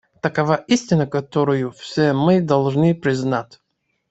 Такова истина, которую все мы должны признать.